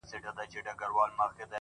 دا څو شپې کيږي له يوسفه سره لوبې کوم!!